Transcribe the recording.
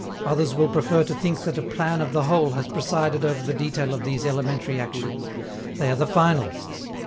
Others will prefer to think that a plan of the whole has presided over the detail of these elementary actions: they are the finalists.